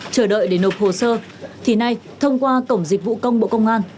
chờ đợi để nộp hồ sơ thì nay thông qua cổng dịch vụ công bộ công an